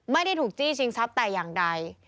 ไม่ได้ถูกจี้ชิงทรัพย์แต่อย่างใด